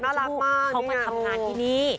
เขามาทำงานที่นี่